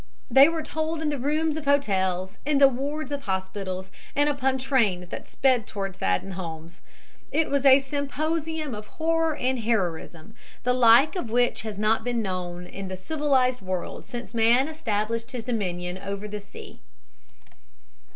They were told in the rooms of hotels, in the wards of hospitals and upon trains that sped toward saddened homes. It was a symposium of horror and heroism, the like of which has not been known in the civilized world since man established his dominion over the sea.